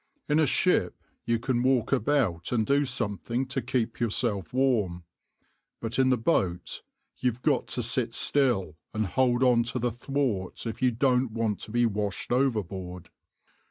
In a ship you can walk about and do something to keep yourself warm, but in the boat you've got to sit still and hold on to the thwart if you don't want to be washed overboard.